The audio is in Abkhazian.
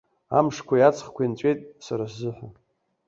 Амшқәеи аҵхқәеи нҵәеит сара сзыҳәа.